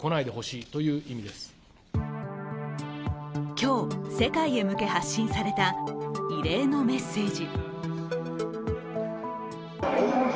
今日、世界へ向け発信された異例のメッセージ。